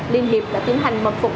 liên hiệp đã tiến hành mật phục